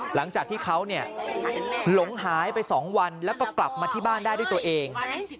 หลังจากที่เขาหลงหายไป๒วันแล้วก็กลับมาที่บ้านได้ด้วยตัวเอง